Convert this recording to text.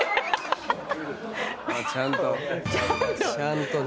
ちゃんとちゃんとね。